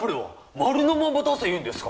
丸のまま出せいうんですか？